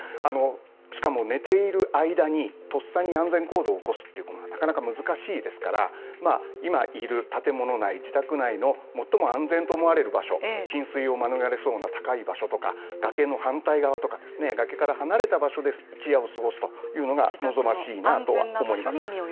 しかも寝ている間にとっさに安全行動を起こすというのはなかなか難しいですから、今いる建物内、自宅内の最も安全と思われる場所、浸水を免れる安全な場所、崖の反対側とか、崖から離れた場所で一夜を過ごすというのが望ましいなと思います。